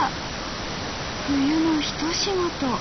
冬の一仕事。